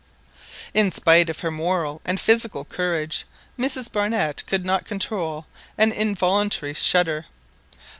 In spite of her moral and physical courage Mrs Barnett could not control an involuntary shudder.